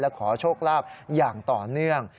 ขอโชคลาภอย่างต่อเนื่อง